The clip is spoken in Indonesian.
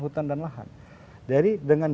hutan dan lahan jadi dengan